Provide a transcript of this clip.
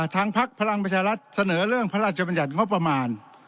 พักพลังประชารัฐเสนอเรื่องพระราชบัญญัติงบประมาณ